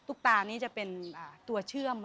ตุ๊กตานี้จะเป็นตัวเชื่อม